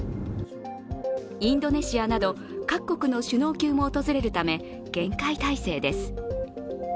インドネシアなど各国の首脳級も訪れるため厳戒態勢です。